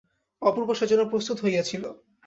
অপূর্ব সেজন্য প্রস্তুত হইয়া ছিল।